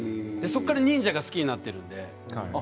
そこから忍者が好きになっているので。